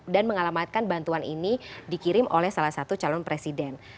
dan mengalamatkan bantuan ini dikirim oleh salah satu calon presiden